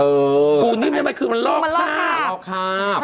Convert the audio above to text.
เออเหมือนกันมันมันคือมันหลอกภาพในนั้นไงก็คือมันหลอกภาพ